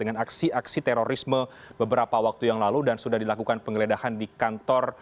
nanti update akan kami sampaikan